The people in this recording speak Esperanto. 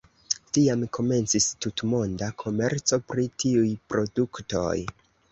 Tiam komencis tutmonda komerco pri tiuj produktoj.